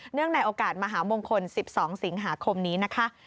ในโอกาสมหามงคล๑๒สิงหาคมนี้นะคะ